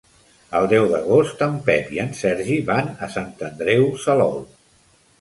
El deu d'agost en Pep i en Sergi van a Sant Andreu Salou.